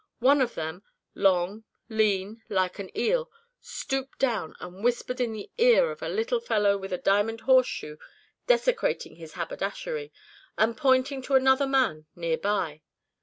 One of them long, lean, like an eel stooped down and whispered in the ear of a little fellow with a diamond horseshoe desecrating his haberdashery, and pointing to another man near by.